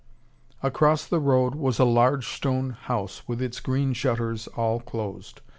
Across the road was a large stone house with its green shutters all closed.